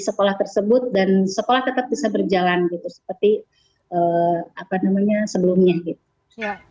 sekolah tersebut dan sekolah tetap bisa berjalan gitu seperti apa namanya sebelumnya gitu